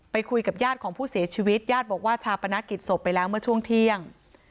คุยกับญาติของผู้เสียชีวิตญาติบอกว่าชาปนกิจศพไปแล้วเมื่อช่วงเที่ยง